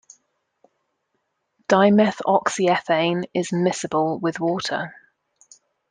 Dimethoxyethane is miscible with water.